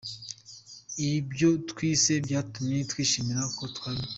Ibyo twize byatumye twishimira ko twabamenye.